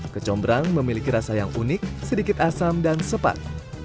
kecombrang memiliki rasa yang unik sedikit asam dan sepat